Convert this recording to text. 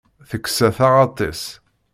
Teksa taɣaṭ-is.